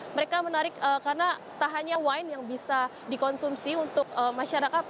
mereka menarik karena tak hanya wine yang bisa dikonsumsi untuk masyarakat